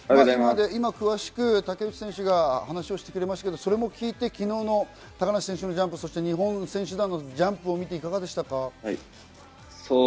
今、詳しく竹内選手が話をしてくれました、それも聞いて昨日の高梨選手のジャンプ、日本選手団のジャンプを見て、いかがでしたか？